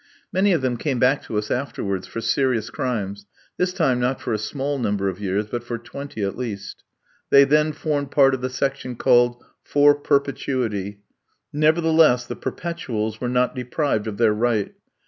Many of them came back to us afterwards, for serious crimes, this time not for a small number of years, but for twenty at least. They then formed part of the section called "for perpetuity." Nevertheless, the perpetuals were not deprived of their right.